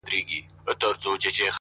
• سفر دی بدل سوی, منزلونه نا اشنا دي,